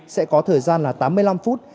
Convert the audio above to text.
sẽ có thời gian là tám mươi năm phút